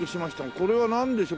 これはなんでしょう？